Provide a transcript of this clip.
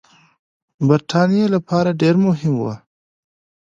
برټانیې لپاره ډېر مهم وه.